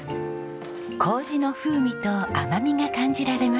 糀の風味と甘みが感じられます。